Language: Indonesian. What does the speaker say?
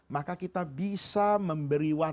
maka kita bisa memberi warna